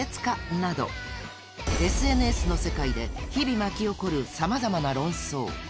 などＳＮＳの世界で日々巻き起こるさまざまな論争